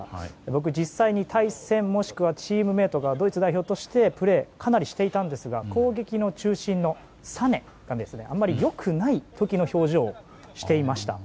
僕、実際に対戦、もしくはチームメート、ドイツ代表とプレーをかなりしていたんですが攻撃の中心のサネがあまり良くない時の表情をしていました。